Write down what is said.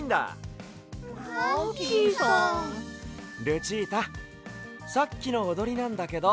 ルチータさっきのおどりなんだけど。